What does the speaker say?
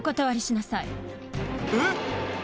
えっ？